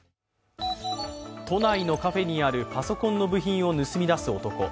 都内のカフェにあるパソコンの部品を盗み出す男。